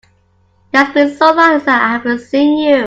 It has been so long since I have seen you!